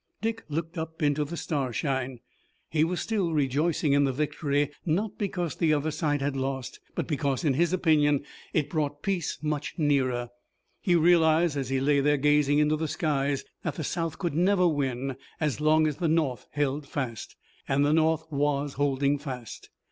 Dick looked up into the starshine. He was still rejoicing in the victory, not because the other side had lost, but because, in his opinion, it brought peace much nearer. He realized as he lay there gazing into the skies that the South could never win as long as the North held fast. And the North was holding fast.